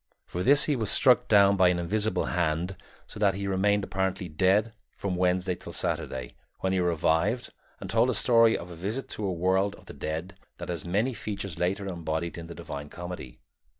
For this he was struck down by an invisible hand so that he remained apparently dead from Wednesday till Saturday, when he revived and told a story of a visit to the world of the dead that has many features later embodied in the Divine Comedy.